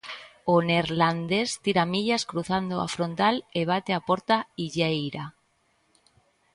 O neerlandés tira millas cruzando a frontal e bate a porta illeira.